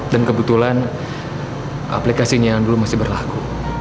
dan kebetulan aplikasinya yang dulu masih berlaku